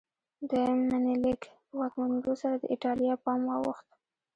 دویم منیلیک په واکمنېدو سره د ایټالیا پام واوښت.